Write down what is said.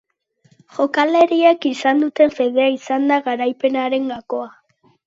Jokalariek izan duten fedea izan da garaipenaren gakoa.